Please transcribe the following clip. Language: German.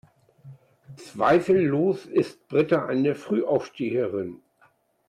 Zweifellos ist Britta eine Frühaufsteherin.